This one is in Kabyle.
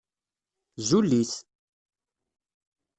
Zul-it!